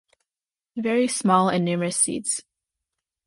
Very small and numerous seeds.